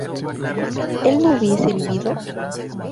¿él no hubiese vivido?